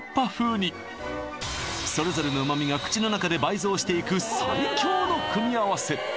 それぞれの旨みが口の中で倍増していく最強の組み合わせ